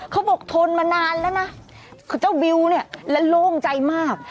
เขาบอกทนมานานแล้วนะเจ้าบิวเนี่ยและโล่งใจมาก